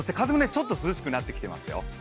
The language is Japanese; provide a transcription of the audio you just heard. ちょっと涼しくなってきていますよ